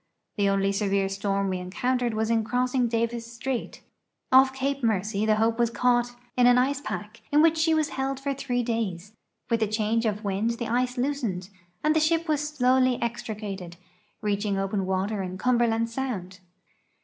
The only severe storm we encountered was in cross ing Davis strait. Off Cape Mercy the Hope was caught in an .1 SUMMER VOYAaE TO THE Alii TIC \W ice pack, in which she was licld for tliroe days. Witli a chanj^'o of wind the ice loosened and the sliip was slowly extrieatud, reachino; o{)en water in Cutnhcrland sound.